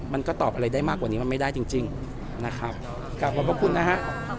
มันก็ตอบอะไรได้มากกว่านี้มันไม่ได้จริงจริงนะครับกลับขอบพระคุณนะฮะ